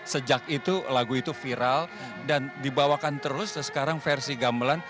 sejak itu lagu itu viral dan dibawakan terus sekarang versi gamelan